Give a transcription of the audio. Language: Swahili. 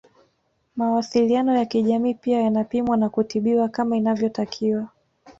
Mawasiliano ya kijamii pia yanapimwa na kutibiwa kama inavyotakiwa